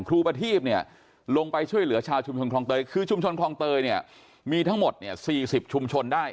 ประทีพเนี่ยลงไปช่วยเหลือชาวชุมชนคลองเตยคือชุมชนคลองเตยเนี่ยมีทั้งหมดเนี่ย๔๐ชุมชนได้